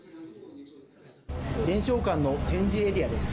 伝承館の展示エリアです。